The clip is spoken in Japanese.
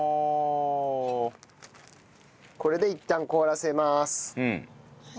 これでいったん凍らせます。